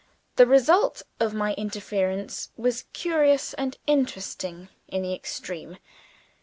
The result of my interference was curious and interesting in the extreme.